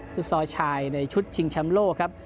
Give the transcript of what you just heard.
ฟุตซอร์ชายในชุดชิงชำโลก